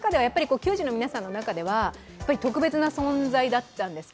球児の皆さんの中では特別な存在だったんですか？